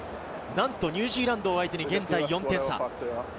ニュージーランドを相手に現在４点差。